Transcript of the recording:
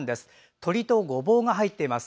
鶏とごぼうが入っています。